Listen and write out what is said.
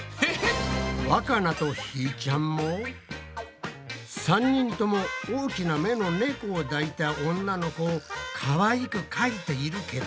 わかなとひーちゃんも３人とも大きな目の猫を抱いた女の子をかわいくかいているけど。